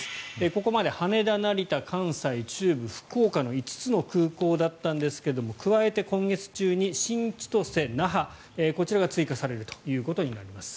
ここまで羽田、成田、関西、中部福岡の５つの空港だったんですが加えて今月中に新千歳、那覇こちらが追加されるということです。